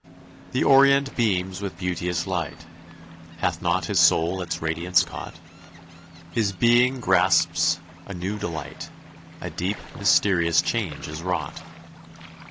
The orient beams with beauteous light Hath not his soul its radiance caught? His being grasps a new delight; A deep, mysterious change is wrought.